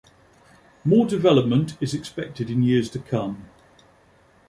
More development is expected in years to come.